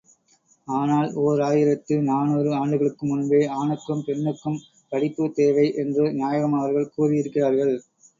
ஆனால் ஓர் ஆயிரத்து நாநூறு ஆண்டுகளுக்கு முன்பே ஆணுக்கும், பெண்ணுக்கும் படிப்புத் தேவை என்று நாயகம் அவர்கள் கூறியிருக்கிறார்கள்.